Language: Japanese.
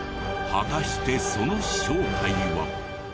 果たしてその正体は？